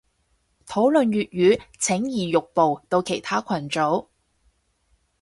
討論粵語請移玉步到其他群組